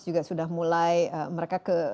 juga sudah mulai mereka